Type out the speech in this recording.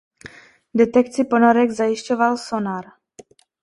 Detekci ponorek zajišťoval sonar.